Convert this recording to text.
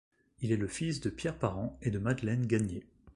Il est le fils de Pierre Parent et de Madeleine Gagné.